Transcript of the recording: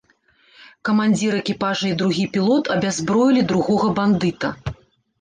Камандзір экіпажа і другі пілот абяззброілі другога бандыта.